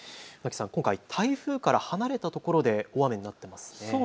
今回、台風から離れた所で大雨になっていますよね。